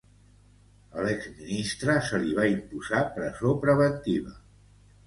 A l'exministre Luis Nava, se li va imposar presó preventiva.